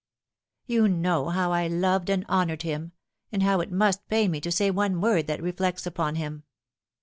You know bow I loved and hon oured him, and how it must pain me to say one word that reflects upon him."